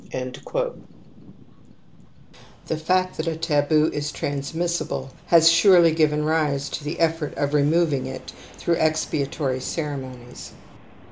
^ The fact that a taboo is transmissible has '7 surely given rise to the effort of removing it through expiatory ceremonies.